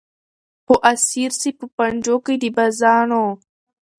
خو اسیر سي په پنجو کي د بازانو